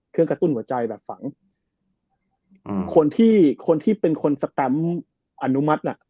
เครื่องกระตุ้นหัวใจแบบฝังอืมคนที่คนที่เป็นคนสแกรมอนุมัติอ่ะ